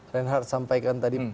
reinhardt sampaikan tadi